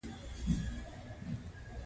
هغوی په صادق شګوفه کې پر بل باندې ژمن شول.